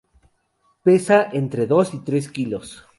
Pesa entre dos y tres kilos.